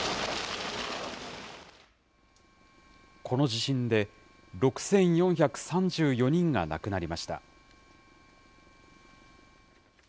この地震で、６４３４人が亡くなりました。